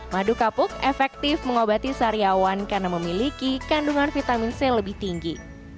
madu kapuk efektif mengobati saryawan karena memiliki kandungan vitamin c lebih tinggi